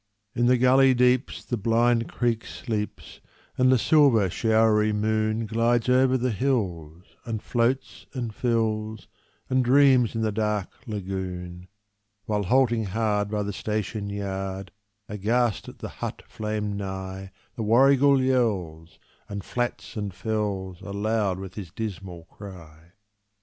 In the gully deeps the blind creek sleeps, And the silver, showery moon Glides over the hills, and floats, and fills, And dreams in the dark lagoon; While halting hard by the station yard, Aghast at the hut flame nigh, The warrigal yells and flats and fells Are loud with his dismal cry.